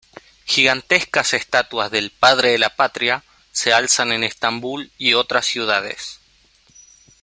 Gigantescas estatuas del "Padre de la Patria" se alzan en Estambul y otras ciudades.